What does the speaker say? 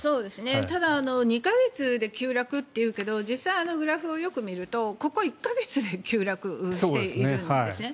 ただ、２か月で急落というけど実際、あのグラフをよく見るとここ１か月で急落しているんですね。